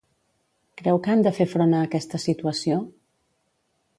Creu que han de fer front a aquesta situació?